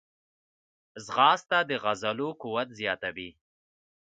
ځغاسته د عضلو قوت زیاتوي